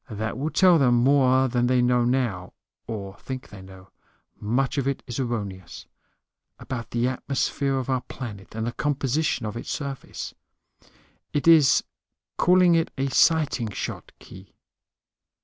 That will tell them more than they know now (or think they know; much of it is erroneous) about the atmosphere of our planet and the composition of its surface. It is call it a sighting shot, Khee.